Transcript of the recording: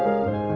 kamu bisa jalan